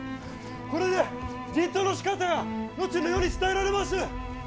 これで人痘のしかたは後の世に伝えられます！